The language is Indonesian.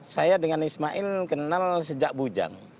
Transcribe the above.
saya dengan ismail kenal sejak bujang